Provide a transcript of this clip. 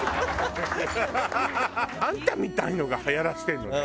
あんたみたいなのがはやらせてるのね。